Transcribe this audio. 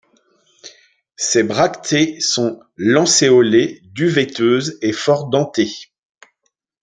Ses bractées sont lancéolées, duveteuses et fort dentées.